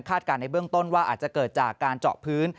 การในเบื้องต้นว่าอาจจะเกิดจากการเจาะพื้น